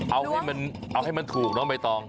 เอาให้มันถูกแล้วไม่ต้อง